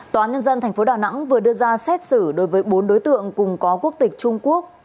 tòa nhân dân tp đà nẵng vừa đưa ra xét xử đối với bốn đối tượng cùng có quốc tịch trung quốc